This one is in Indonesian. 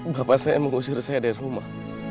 bapak saya mengusir saya dari rumah